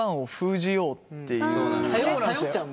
頼っちゃうんで。